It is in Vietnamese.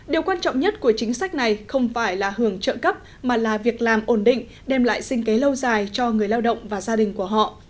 điều quan trọng nhất của chính sách này không phải là hưởng trợ cấp mà là việc làm ổn định đem lại sinh kế lâu dài cho người lao động và gia đình của họ